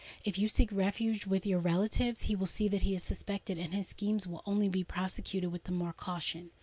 If you seek refuge with your relatives, he will see that he is suspected; and his schemes will only be prosecuted with the more caution."